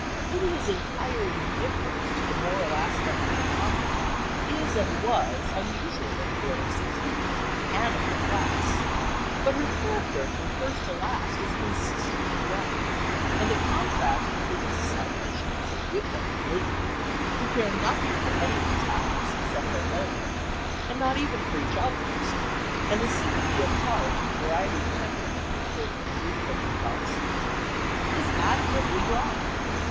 Lydia's entire indifference to the moral aspect of her conduct is and was unusual in a girl of sixteen and of her class, but her character from first to last is consistently drawn, and the contrast between the selfishness of Wickham and Lydia, who care nothing for any one's happiness except their own, and not even for each other's, and the sympathy of heart and variety of temperament which bring Elizabeth and Darcy together is admirably drawn.